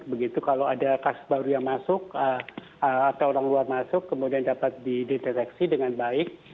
begitu kalau ada kasus baru yang masuk atau orang luar masuk kemudian dapat dideteksi dengan baik